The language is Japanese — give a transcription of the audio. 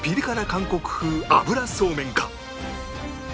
韓国風油そうめんか？